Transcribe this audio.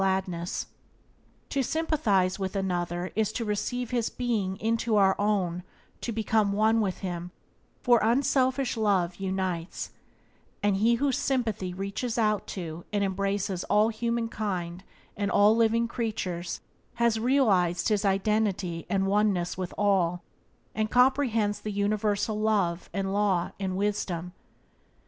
Byways to Blessedness by James Allen 31 To sympathize with another is to receive his being into our own, to become one with him, for unselfish love indissolubly unites, and he whose sympathy reaches out to and embraces all humankind and all living creatures has realized his identity and oneness with all, and comprehends the universal Love and Law and Wisdom.